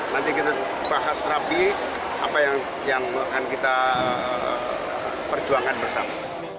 nanti kita bahas rapi apa yang akan kita perjuangkan bersama